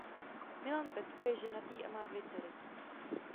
Milan Pecka je ženatý a má dvě dcery.